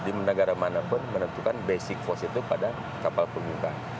di negara mana pun menentukan basic force itu pada kapal permukaan